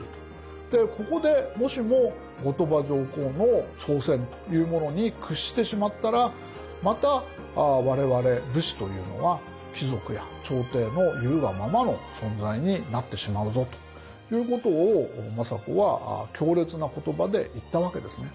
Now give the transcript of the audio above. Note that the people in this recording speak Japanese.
ここでもしも後鳥羽上皇の挑戦というものに屈してしまったらまた我々武士というのは貴族や朝廷の言うがままの存在になってしまうぞということを政子は強烈な言葉で言ったわけですね。